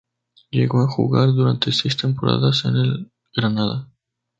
Llegó a jugar durante seis temporadas en el Granada.